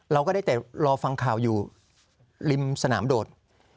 เราก็ได้แต่รอฟังข่าวอยู่ริมสนามโดด